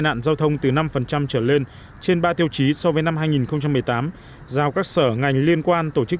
nạn giao thông từ năm trở lên trên ba tiêu chí so với năm hai nghìn một mươi tám giao các sở ngành liên quan tổ chức